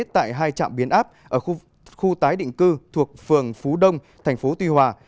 tại hai trạm biến áp ở khu tái định cư thuộc phường phú đông thành phố tuy hòa